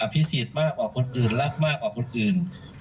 พิเศษมากกว่าคนอื่นรักมากกว่าคนอื่น